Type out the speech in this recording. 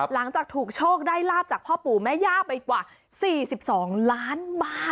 หลังจากถูกโชคได้ลาบจากพ่อปู่แม่ย่าไปกว่า๔๒ล้านบาท